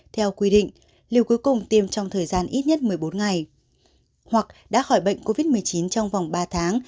theo quy định liều cuối cùng tiêm trong thời gian ít nhất một mươi bốn ngày hoặc đã khỏi bệnh covid một mươi chín trong vòng ba tháng